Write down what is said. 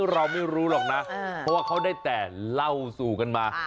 เราไม่รู้หรอกนะเพราะว่าเขาได้แต่เล่าสู่กันมา